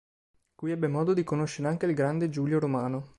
Qui ebbe modo di conoscere anche il grande Giulio Romano.